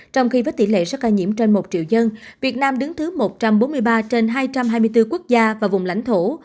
trong khi với tỷ lệ số ca nhiễm trên một triệu dân việt nam đứng thứ một trăm bốn mươi ba trên hai trăm hai mươi bốn quốc gia và vùng lãnh thổ